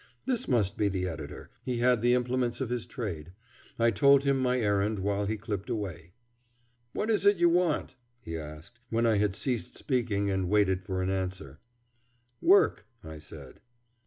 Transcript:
This must be the editor; he had the implements of his trade. I told him my errand while he clipped away. [Figure: When I worked in the Buffalo Ship yard. ] "What is it you want?" he asked, when I had ceased speaking and waited for an answer. "Work," I said.